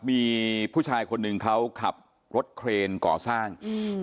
มีผู้ชายคนหนึ่งเขาขับรถเครนก่อสร้างอืม